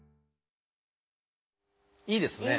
いいですね。